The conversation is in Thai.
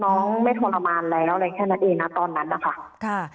น้องไม่ทรมานแล้วอะไรแค่นั้นเองนะตอนนั้นนะคะค่ะ